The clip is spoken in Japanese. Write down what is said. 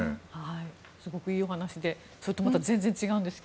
すごくいいお話でそれと全然違うんです